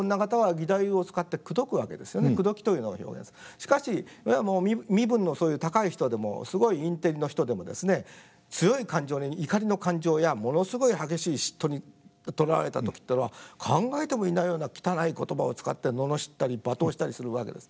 しかし身分のそういう高い人でもすごいインテリの人でもですね強い感情に怒りの感情やものすごい激しい嫉妬にとらわれた時っていうのは考えてもいないような汚い言葉を使って罵ったり罵倒したりするわけです。